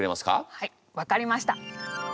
はい分かりました。